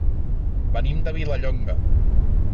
Venim de Vilallonga.